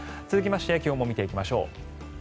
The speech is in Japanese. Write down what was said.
続きまして気温も見ていきましょう。